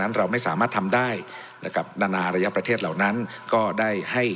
เราไม่สามารถทำได้นะครับนานาระยะประเทศเหล่านั้นก็ได้ให้